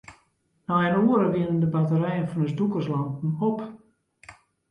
Nei in oere wiene de batterijen fan ús dûkerslampen op.